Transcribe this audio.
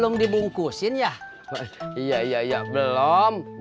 satu segelit apa tadi pak